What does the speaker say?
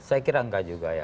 saya kira enggak juga ya